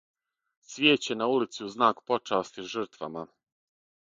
Цвијеће на улици у знак почасти жртвама.